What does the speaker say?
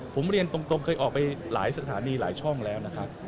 ผมเรียนตรงเคยออกไปหลายสถานีหลายช่องแล้วนะครับ